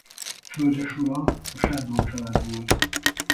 Földesura a Sándor-család volt.